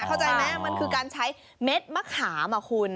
เข้าใจไหมมันคือการใช้เม็ดมะขามอ่ะคุณ